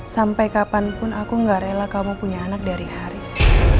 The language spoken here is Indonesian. sampai kapanpun aku gak rela kamu punya anak dari haris